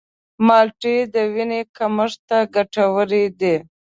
مالټې د وینې کمښت ته ګټورې دي.